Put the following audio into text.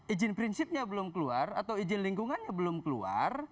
izin prinsipnya belum keluar atau izin lingkungannya belum keluar